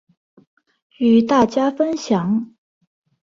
与大家分享